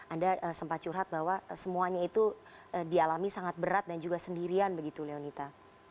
anda sempat curhat bahwa semuanya itu dialami sangat berat dan juga sendirian begitu leonita